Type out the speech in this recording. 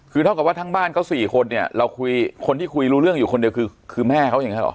คือเท่ากับว่าทั้งบ้านเขา๔คนเนี่ยเราคุยคนที่คุยรู้เรื่องอยู่คนเดียวคือแม่เขาอย่างนี้หรอ